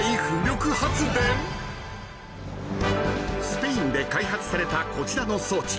［スペインで開発されたこちらの装置］